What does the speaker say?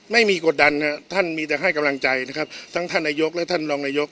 กดดันครับท่านมีแต่ให้กำลังใจนะครับทั้งท่านนายกและท่านรองนายก